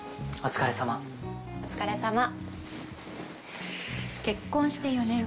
お疲れさま。